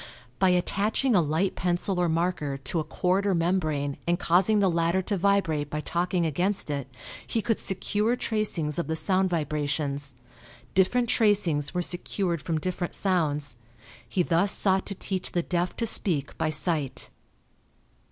By attaching a light pencil or marker to a cord or membrane and causing the latter to vibrate by talking against it, he could secure tracings of the sound vibrations. Different tracings were secured from different sounds. He thus sought to teach the deaf to speak by sight.